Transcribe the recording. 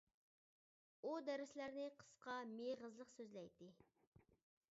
ئۇ دەرسلەرنى قىسقا، مېغىزلىق سۆزلەيتتى.